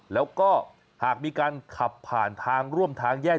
แล้วก็หากมีการขับผ่านทางร่วมทางแยก